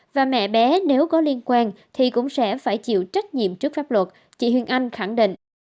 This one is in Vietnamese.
và mẹ bé nếu có liên quan thì cũng sẽ phải chịu trách nhiệm trước pháp luật chị hương anh khẳng định